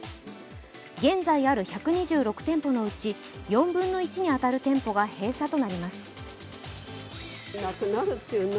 現在ある１２６店舗のうち４分の１に当たる店舗が閉鎖となります。